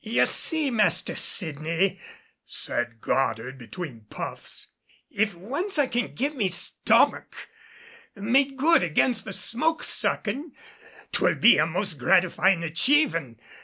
"Ye see, Master Sydney," said Goddard between puffs, "if once I can get me stommick made good against the smoke suckin', 'twill be a most gratifyin' achievin'.